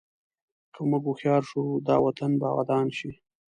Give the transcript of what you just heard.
که موږ هوښیار شو، دا وطن به ودان شي.